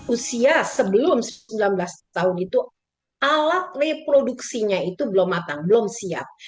usia sebelum sembilan belas tahun itu alat reproduksinya itu belum matang belum siap